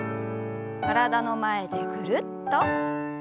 体の前でぐるっと。